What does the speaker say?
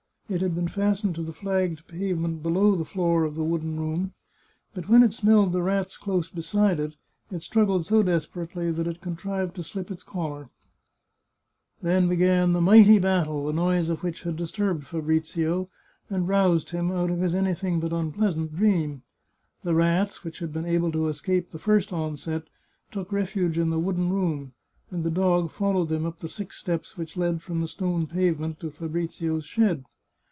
It had been fastened to the flagged pavement below the floor of the wooden room, but when it smelled the rats close beside it, it struggled so desperately that it contrived to slip its collar. Then began the mighty battle, the noise of which had disturbed Fabrizio, and roused him out of his 327 The Chartreuse of Parma anything but unpleasant dream. The rats, which had been able to escape the first onset, took refuge in the wooden room, and the dog followed them up the six steps which led from the stone pavement to Fabrizio's shed.